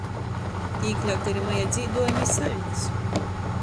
Tī īkļauti ari maja dzīduojumi i saļmys.